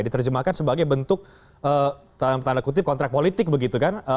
diterjemahkan sebagai bentuk dalam tanda kutip kontrak politik begitu kan